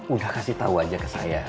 udah kasih tau aja ke saya